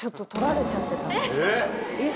えっ！